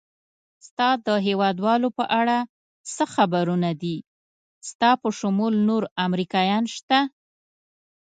ستا د هېوادوالو په اړه څه خبرونه دي؟ ستا په شمول نور امریکایان شته؟